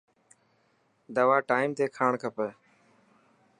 دوا ٽائيم تي کاڻ کپي.